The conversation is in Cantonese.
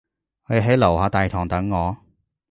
你喺樓下大堂等我